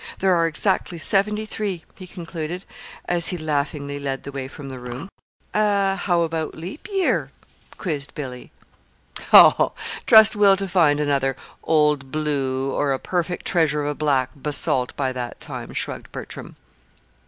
There are exactly seventy three," he concluded, as he laughingly led the way from the room. "How about leap year?" quizzed Billy. "Ho! Trust Will to find another 'Old Blue' or a 'perfect treasure of a black basalt' by that time," shrugged Bertram.